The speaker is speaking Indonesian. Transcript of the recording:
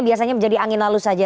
biasanya menjadi angin lalu saja